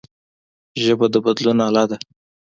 ژبه د بدلون اله ده